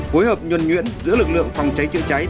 hối hợp nhuần nhuyễn giữa lực lượng phòng cháy chữa cháy